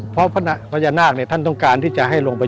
เพราะพญานาคเนี่ยท่านต้องการที่จะให้ลงไป